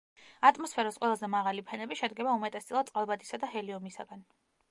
ატმოსფეროს ყველაზე მაღალი ფენები შედგება უმეტესწილად წყალბადისა და ჰელიუმისაგან.